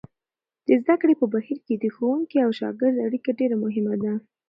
د زده کړې په بهیر کې د ښوونکي او شاګرد اړیکه ډېره مهمه ده.